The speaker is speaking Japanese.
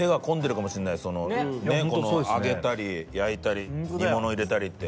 揚げたり焼いたり煮物入れたりって。